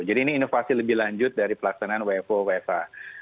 jadi ini inovasi lebih lanjut dari pelaksanaan wfo wfa